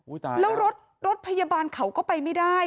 อุ๊ยตายแล้วแล้วรถพยาบาลเขาก็ไปไม่ได้